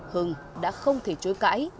hưng đã không thể chối cãi